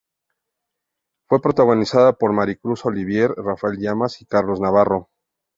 Fue protagonizada por Maricruz Olivier, Rafael Llamas y Carlos Navarro.